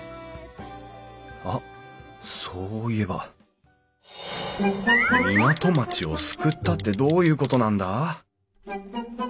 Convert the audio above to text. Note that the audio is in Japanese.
あっそういえば港町を救ったってどういうことなんだ？